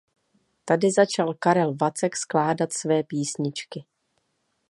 Tady začal Karel Vacek skládat své písničky.